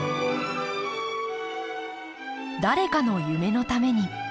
誰かの夢のために。